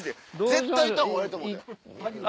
絶対行った方がええと思うで。